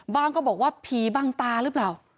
บ้างก็บอกว่าผีบ้างตาหรือเปล่า